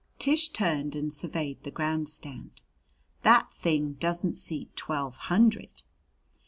Tish turned and surveyed the grandstand. "That thing doesn't seat twelve hundred."